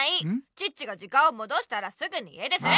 チッチが時間をもどしたらすぐに家出する！